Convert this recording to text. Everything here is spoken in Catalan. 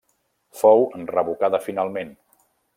Fou revocada finalment.